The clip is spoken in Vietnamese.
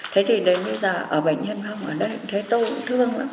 thế thì đến bây giờ ở bệnh nhân phong ở đây thấy tôi cũng thương lắm